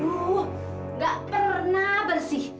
tuh nggak pernah bersih